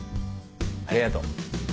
ありがとう。